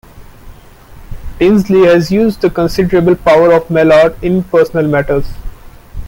Tinsley has used the considerable power of Mallard in personal matters.